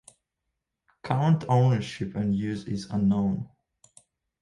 Current ownership and use is unknown.